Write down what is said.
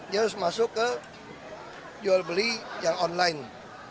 dia harus masuk ke jual beli yang online